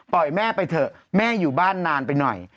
แม่ไปเถอะแม่อยู่บ้านนานไปหน่อย